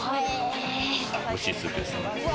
おいしいスープですね。